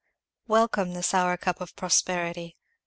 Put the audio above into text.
Welcome the sour cup of prosperity!